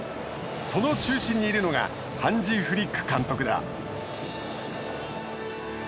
その中心にいるのがハンジ・フリック監督だ。